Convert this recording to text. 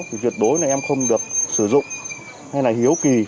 thì tuyệt đối là em không được sử dụng hay là hiếu kỳ